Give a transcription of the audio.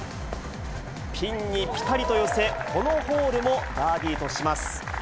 ピンにぴたりと寄せ、このホールもバーディーとします。